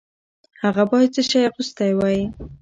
هغه باید څه شی اغوستی وای؟